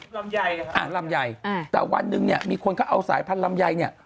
ลำไยครับครับอ่ะลำไยแต่วันหนึ่งเนี่ยมีคนเขาเอาสายพันธุ์ลำไยเนี่ย